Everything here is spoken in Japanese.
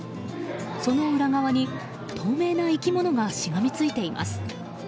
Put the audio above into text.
その裏側に、透明な生き物がしがみついています。